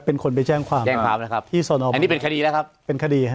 เป็นคนไปแจ้งความแจ้งความนะครับอันนี้เป็นคดีนะครับเป็นคดีครับ